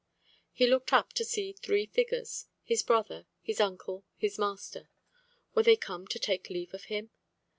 He looked up to see three figures—his brother, his uncle, his master. Were they come to take leave of him?